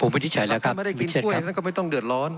ไม่ได้กินกล้วยแล้วก็ไม่ต้องเดือดร้อน